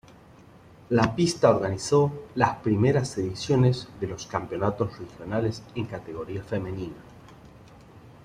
La pista organizó las primeras ediciones de los campeonatos regionales en categoría femenina.